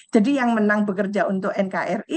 jadi yang menang bekerja untuk nkri